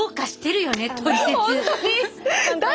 本当に！